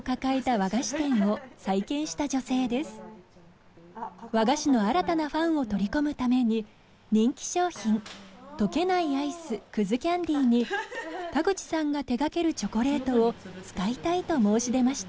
和菓子の新たなファンを取り込むために人気商品「溶けないアイスきゃんでぃ」に田口さんが手掛けるチョコレートを使いたいと申し出ました。